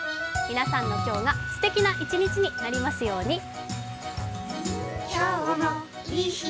皆さんの今日がすてきな１日になりますように。